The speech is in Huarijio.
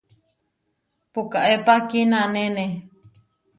Pukaépa kinanéne.